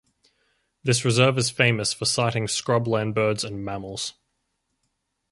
This reserve is famous for sighting scrub land birds and mammals.